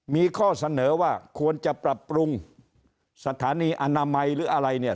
มีข้อเสนอว่าควรจะปรับปรุงสถานีอนามัยหรืออะไรเนี่ย